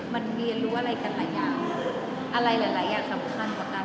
มันเรียนรู้อะไรกันหลายอย่างอะไรหลายอย่างสำคัญกว่ากัน